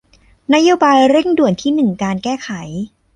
นโยบายเร่งด่วนที่หนึ่งการแก้ไข